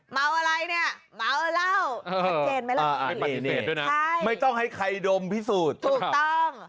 อ๋อเมาอะไรเนี้ยเมาเหล้าเออไม่ต้องให้ใครดมพิสูจน์ถูกต้อง